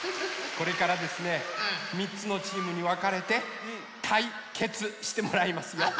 これからですね３つのチームにわかれてたい「けつ」してもらいますよ！